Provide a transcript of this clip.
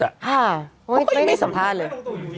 เขายังไม่สัมภาษณ์เลย